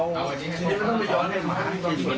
คุณลุย้อนเจ็บมหา